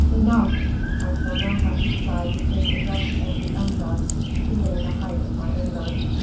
"Enough! I shall know how to decide between the just and the unjust, even in the height of my anger.